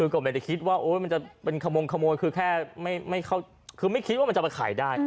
ก็ไม่เคยคิดว่าจะคำงขมลคือแค่ไม่คิดว่าจะไปขายได้